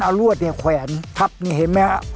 เอารวดเนี่ยแขวนทับนี่เห็นไหมฮะ